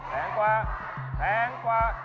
แพงกว่าแพงกว่า